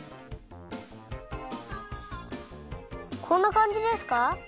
こんなかんじですか？